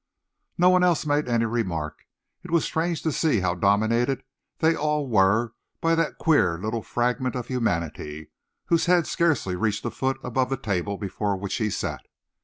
No one else made any remark. It was strange to see how dominated they all were by that queer little fragment of humanity, whose head scarcely reached a foot above the table before which he sat.